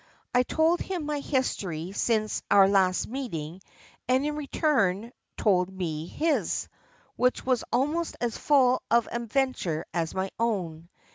I told him my history since our last meeting, and he in return told me his, which was almost as full of adventures as my own.